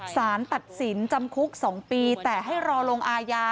สารตัดสินจำคุก๒ปีแต่ให้รอลงอาญา